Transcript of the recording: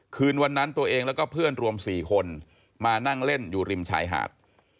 คืนวันนั้นตัวเองแล้วก็เพื่อนรวม๔คนมานั่งเล่นอยู่ริมชายหาด